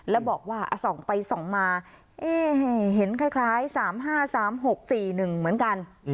แล้วบอกว่าส่องไปส่องมาเห็นคล้าย๓๕๓๖๔๑เหมือนกัน